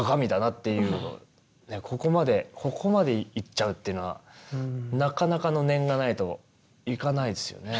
ここまでここまでいっちゃうっていうのはなかなかの念がないといかないですよね。